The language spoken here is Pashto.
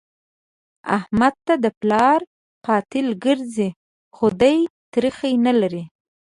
احمد ته د پلار قاتل ګرځي؛ خو دی تريخی نه لري.